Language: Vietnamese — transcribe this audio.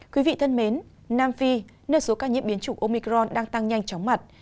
quý vị thân mến nam phi nơi số ca nhiễm biến chủng omicron đang tăng nhanh chóng mặt